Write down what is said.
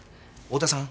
太田さん